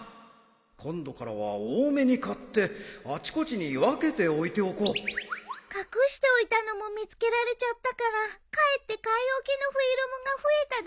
今度からは多めに買ってあちこちに分けて置いておこう隠しておいたのも見つけられちゃったからかえって買い置きのフィルムが増えただけだったの。